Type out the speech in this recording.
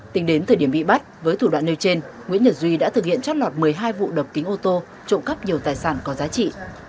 tính đến thời điểm bị bắt với thủ đoạn nêu trên nguyễn nhật duy đã thực hiện trót lọt một mươi hai vụ đập kính ô tô trộm cắp nhiều tài sản có giá trị